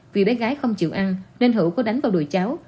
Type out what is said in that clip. vì bé gái không chịu ăn nên hữu có đánh vào đuổi cháu